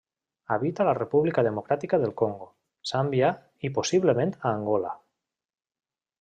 Habita a la República Democràtica del Congo, Zàmbia i possiblement a Angola.